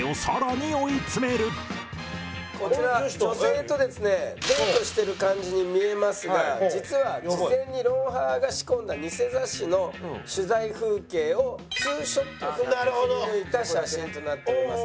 こちら女性とですねデートしてる感じに見えますが実は事前に『ロンハー』が仕込んだニセ雑誌の取材風景をツーショット風に切り抜いた写真となっております。